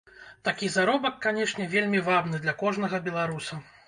Такі заробак, канешне, вельмі вабны для кожнага беларуса.